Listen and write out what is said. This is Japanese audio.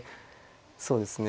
そうですね